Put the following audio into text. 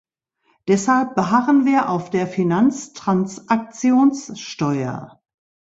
Deshalb beharren wir auf der Finanztransaktionssteuer.